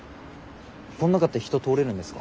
この中って人通れるんですか？